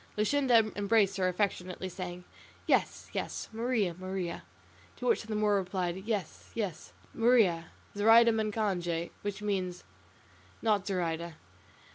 Luscinda embraced her affectionately, saying, "Yes, yes, Maria, Maria," to which the Moor replied, "Yes, yes, Maria; Zoraida macange," which means "not Zoraida."